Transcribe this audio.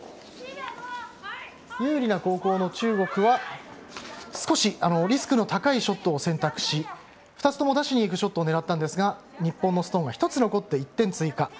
有利な後攻の中国は少しリスクの高いショットを選択して、２つも出しにいくショットを狙ったんですが日本のストーンが１つ残って１点追加。